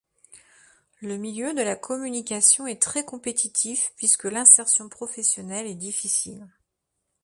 Le milieu de la communication est très compétitif puisque l'insertion professionnelle est difficile.